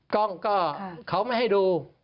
กล้องก็เขาไม่ให้ดู